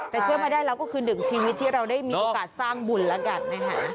แต่ช่วยมาได้แล้วก็คือหนึ่งชีวิตที่เราได้มีโอกาสสร้างบุญแล้วกันนะคะ